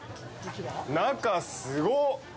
中すごっ。